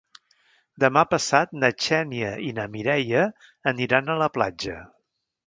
Demà passat na Xènia i na Mireia aniran a la platja.